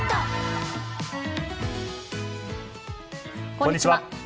こんにちは。